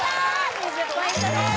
２０ポイントです